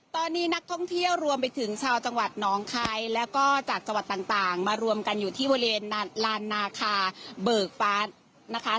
ตอนนี้นักท่องเที่ยวรวมไปถึงชาวจังหวัดน้องคายแล้วก็จากจังหวัดต่างมารวมกันอยู่ที่บริเวณลานนาคาเบิกฟ้านะคะ